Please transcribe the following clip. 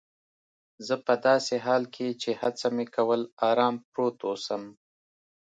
زه په داسې حال کې چي هڅه مې کول آرام پروت اوسم.